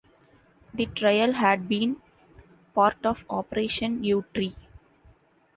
The trial had been part of Operation Yewtree.